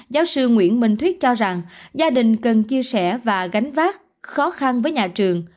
giáo sư nguyễn minh thuyết cho rằng gia đình cần chia sẻ và gánh vác khó khăn với nhà trường